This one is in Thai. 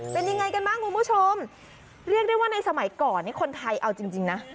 เป็นยังไงกันบ้างคุณผู้ชมเรียกได้ว่าในสมัยก่อนนี่คนไทยเอาจริงจริงนะ